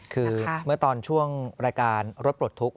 คือเมื่อตอนช่วงรายการรถปลดทุกข์